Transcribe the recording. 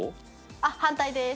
あっ反対です。